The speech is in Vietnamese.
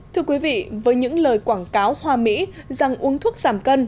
thưa quý vị với những lời quảng cáo hoa mỹ rằng uống thuốc giảm cân